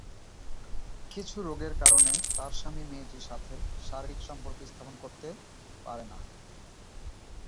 কিছু রোগের কারণে তার স্বামী মেয়েটির সাথে শারীরিক সম্পর্ক স্থাপন করতে পারে না।